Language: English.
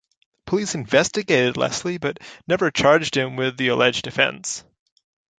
Police investigated Leslie but never charged him with the alleged offence.